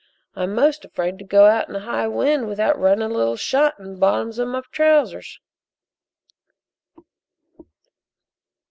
I'm 'most afraid to go out in a high wind without running a little shot in the bottoms of my trousers."